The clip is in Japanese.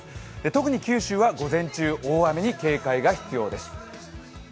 特に九州は午前中、大雨に警戒が必要です。